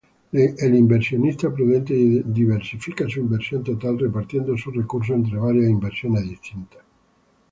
El inversionista prudente diversifica su inversión total, repartiendo sus recursos entre varias inversiones distintas.